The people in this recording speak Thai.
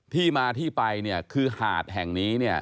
ที่มาที่ไปคือหาดแห่งนี้